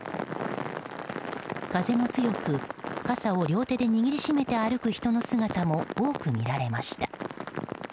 風も強く、傘を両手で握りしめて歩く人の姿も多く見られました。